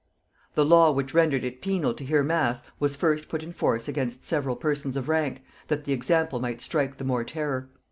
The law which rendered it penal to hear mass was first put in force against several persons of rank, that the example might strike the more terror.